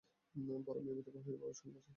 বড় মেয়ে বিধবা হয়ে বাবার সঙ্গে আছে।